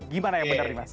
gimana yang benar nih mas